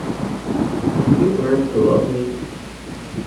Can you learn to love me?